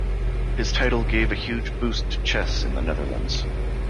His title gave a huge boost to chess in the Netherlands.